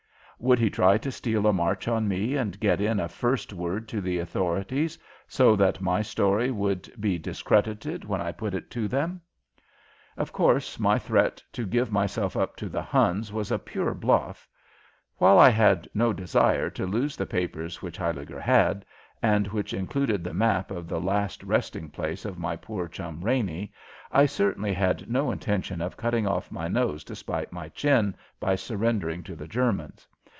Would he try to steal a march on me and get in a first word to the authorities, so that my story would be discredited when I put it to them? Of course my threat to give myself up to the Huns was a pure bluff. While I had no desire to lose the papers which Huyliger had, and which included the map of the last resting place of my poor chum Raney, I certainly had no intention of cutting off my nose to spite my chin by surrendering to the Germans.